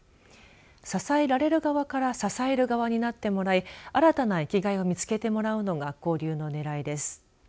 支えられる側から支える側になってもらい新たな生きがいを見つけてもらうのが交流のねらいです。